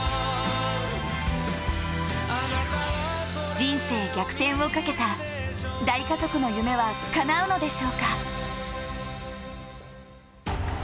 人生逆転をかけた大家族の夢はかなうのでしょうか？